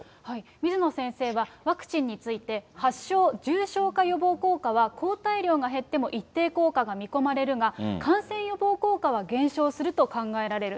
水野先生は、ワクチンについて、発症・重症化予防効果は、抗体量が減っても一定効果が見込まれるが、感染予防効果は減少すると考えられる。